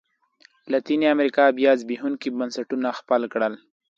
لاتینې امریکا بیا زبېښونکي بنسټونه خپل کړل.